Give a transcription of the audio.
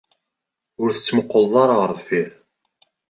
Ur tettmuqquleḍ ara ɣer deffir.